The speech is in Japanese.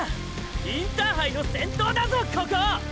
インターハイの先頭だぞここ！！